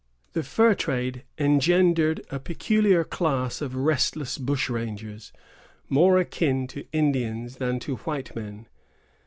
The fur trade engendered a peculiar class of restless bush rangers, more akin to Indians than to white men.